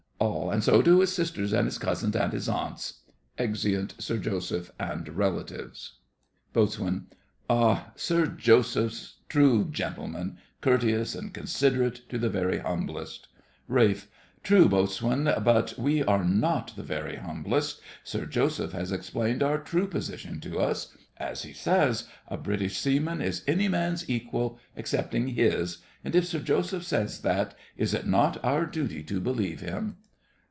ALL. And so do his sisters, and his cousins, and his aunts! [Exeunt SIR JOSEPH AND RELATIVES. BOAT. Ah! Sir Joseph's true gentleman; courteous and considerate to the very humblest. RALPH. True, Boatswain, but we are not the very humblest. Sir Joseph has explained our true position to us. As he says, a British seaman is any man's equal excepting his, and if Sir Joseph says that, is it not our duty to believe him?